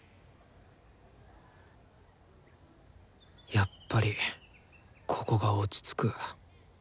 やっぱりここが落ち着く。